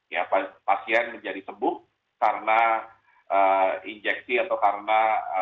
ya pasien menjadi sembuh karena injeksi atau karena